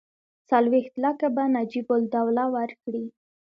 څلوېښت لکه به نجیب الدوله ورکړي.